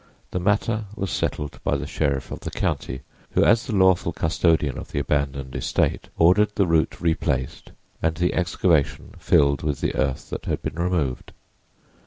The matter was settled by the sheriff of the county, who as the lawful custodian of the abandoned estate ordered the root replaced and the excavation filled with the earth that had been removed.